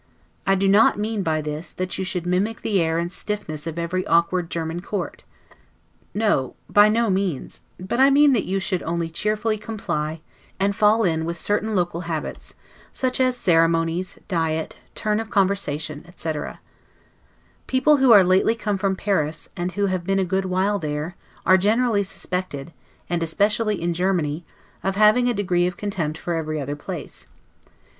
I do not mean by this, that you should mimic the air and stiffness of every awkward German court; no, by no means; but I mean that you should only cheerfully comply, and fall in with certain local habits, such as ceremonies, diet, turn of conversation, etc. People who are lately come from Paris, and who have been a good while there, are generally suspected, and especially in Germany, of having a degree of contempt for every other place.